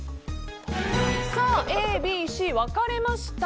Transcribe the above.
Ａ、Ｂ、Ｃ分かれました。